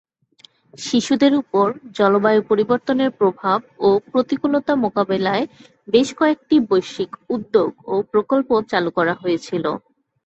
শিশুদের উপর জলবায়ু পরিবর্তনের প্রভাব ও প্রতিকূলতা মোকাবেলায় বেশ কয়েকটি বৈশ্বিক উদ্যোগ ও প্রকল্প চালু করা হয়েছিল।